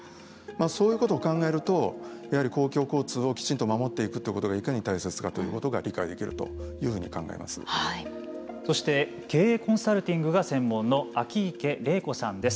そういうことを考えるとやはり公共交通をきちんと守っていくということがいかに大切かということがそして経営コンサルティングが専門の秋池玲子さんです。